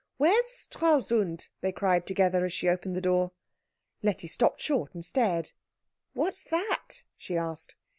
"Where's Stralsund?" they cried together, as she opened the door. Letty stopped short and stared. "What's that?" she asked.